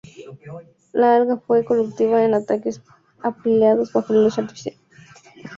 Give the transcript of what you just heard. El alga fue cultivada en tanques apilados bajo luz artificial.